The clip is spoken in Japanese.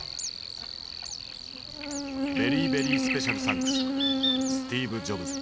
「ベリーベリースペシャルサンクススティーブ・ジョブズ」。